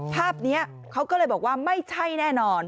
ภาพนี้เขาก็เลยบอกว่าไม่ใช่แน่นอน